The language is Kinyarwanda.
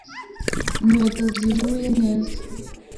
Inkweto zihuye neza